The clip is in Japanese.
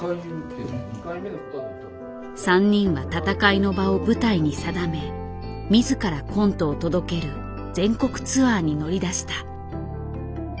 ３人は戦いの場を舞台に定め自らコントを届ける全国ツアーに乗り出した。